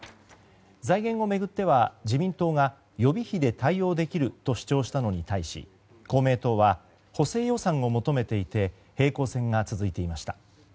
財源を巡っては自民党が予備費で対応できると主張したのに対し、公明党は補正予算を求めていて平行線が続いていました。